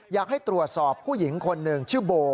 อยากให้ตรวจสอบผู้หญิงคนหนึ่งชื่อโบ